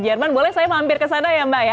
jerman boleh saya mampir ke sana ya mbak ya